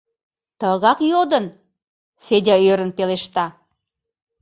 — Тыгак йодын? — Федя ӧрын пелешта.